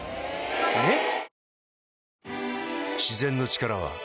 えっ？